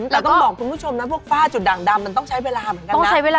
แต่ต้องบอกคุณผู้ชมนะพวกฝ้าจุดด่างดำมันต้องใช้เวลาเหมือนกัน